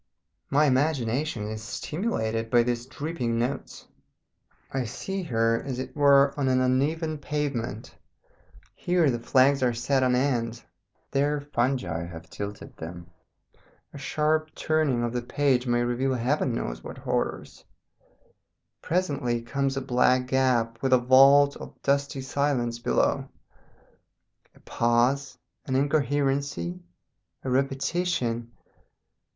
My imagination is stimulated by these dripping notes. I see her, as it were, on an uneven pavement; here the flags are set on end, there fungi have tilted them, a sharp turning of the page may reveal heaven knows what horrors; presently comes a black gap with a vault of dusty silence below. A pause, an incoherency, a repetition!